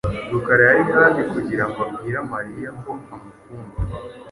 Rukara yari hafi kugira ngo abwira Mariya ko amukunda.